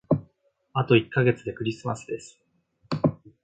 あと一ヶ月でクリスマスです。